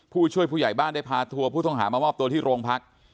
ผู้ช่วยผู้ใหญ่บ้านได้พาทัวร์ผู้ต้องหามามอบตัวที่โรงพัก